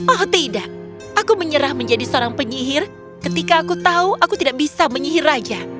oh tidak aku menyerah menjadi seorang penyihir ketika aku tahu aku tidak bisa menyihir raja